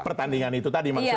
pertandingan itu tadi maksudnya